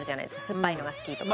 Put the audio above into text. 酸っぱいのが好きとか。